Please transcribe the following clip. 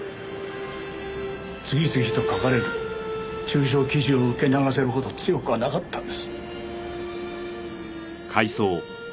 次々と書かれる中傷記事を受け流せるほど強くはなかったんです。